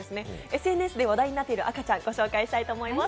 ＳＮＳで話題になっている赤ちゃんをご紹介します。